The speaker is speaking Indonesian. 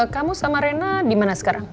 kamu sama rena dimana sekarang